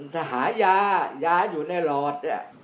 เจ้าหายาอยู่ในรอด